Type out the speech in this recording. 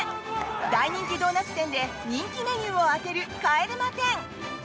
大人気ドーナツ店で人気メニューを当てる「帰れま１０」。